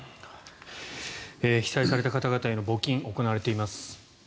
被災された方々への募金が行われています。